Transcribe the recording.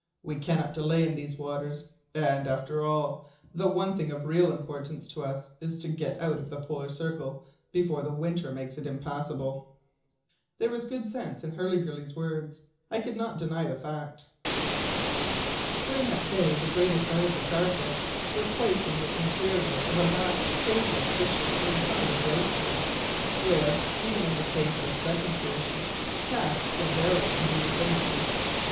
We cannot delay in these waters, and, after all, the one thing of real importance to us is to get out of the polar circle before the winter makes it impassable." There was good sense in Hurliguerly's words; I could not deny the fact. During that day the greater part of the cargo was placed in the interior of a vast cave like fissure in the side of the iceberg, where, even in case of a second collision, casks and barrels would be in safety.